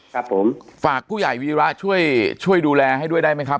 ครับผมฝากผู้ใหญ่วีระช่วยช่วยดูแลให้ด้วยได้ไหมครับ